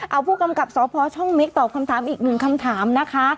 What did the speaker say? เอาผู้กำกับสพช่องเมคตอบคำถามอีกหนึ่งคำถามนะคะ